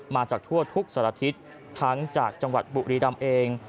มาจากทั่วทุกสารทิศทั้งจากจังหวัดบุรีรำเอง